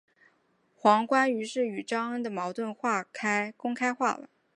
黄绾于是与张璁的矛盾公开化了。